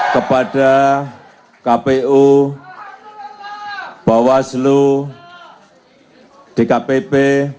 kepada kpu bawaslu dkpp